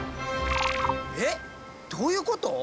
えっどういうこと？